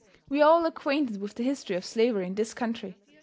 We are all acquainted with the history of slavery in this country.